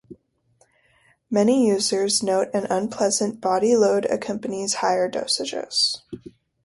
Many users note an unpleasant body load accompanies higher dosages.